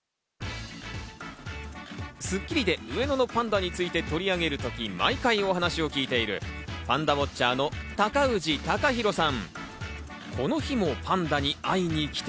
『スッキリ』で上野のパンダについて取り上げるとき、毎回お話を聞いているパンダウオッチャーの高氏貴博さん。